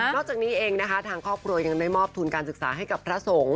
จากนี้เองนะคะทางครอบครัวยังได้มอบทุนการศึกษาให้กับพระสงฆ์